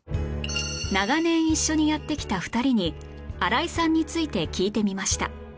長年一緒にやってきた２人に新井さんについて聞いてみました